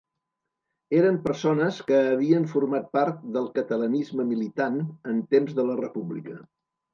Eren persones que havien format part del catalanisme militant en temps de la República.